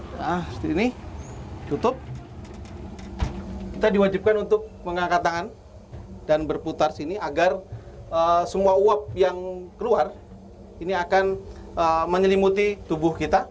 nah ini tutup kita diwajibkan untuk mengangkat tangan dan berputar sini agar semua uap yang keluar ini akan menyelimuti tubuh kita